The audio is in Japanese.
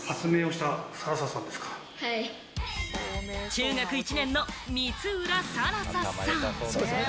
中学１年の光浦更紗さん。